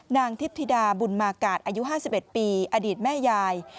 นางทิพธิดาบุญมากาศอายุ๕๑ปีอดีตแม่ยาย